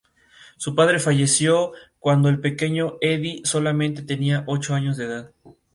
Su padre falleció cuando el pequeño Eddie solamente tenía ocho años de edad.